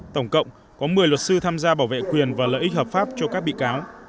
tổng cộng có một mươi luật sư tham gia bảo vệ quyền và lợi ích hợp pháp cho các bị cáo